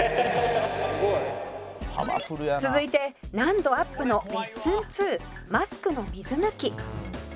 「続いて難度アップのレッスン２マスクの水抜き」